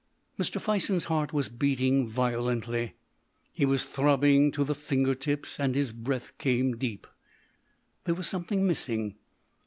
Mr. Fison's heart was beating violently; he was throbbing to the finger tips, and his breath came deep. There was something missing.